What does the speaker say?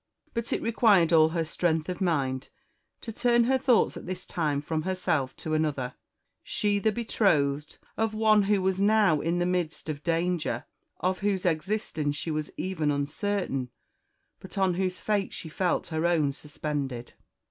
But it required all her strength of mind to turn her thoughts at this time from herself to another she, the betrothed of one who was now in the midst of danger, of whose existence she was even uncertain, but on whose fate she felt her own suspended.